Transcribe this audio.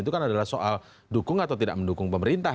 itu kan adalah soal dukung atau tidak mendukung pemerintah